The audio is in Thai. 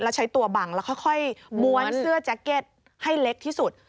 แล้วใช้ตัวบังแล้วค่อยม้วนเสื้อแจ็คเก็ตให้เล็กที่สุด